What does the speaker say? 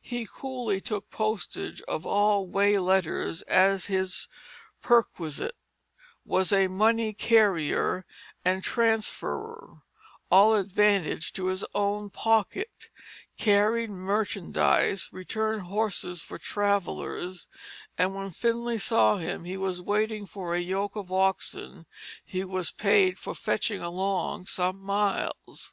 He coolly took postage of all way letters as his perquisite; was a money carrier and transferrer, all advantage to his own pocket; carried merchandise; returned horses for travellers; and when Finlay saw him he was waiting for a yoke of oxen he was paid for fetching along some miles.